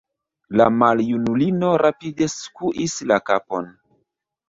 La maljunulino rapide skuis la kapon.